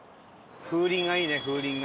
風鈴がいいね風鈴が。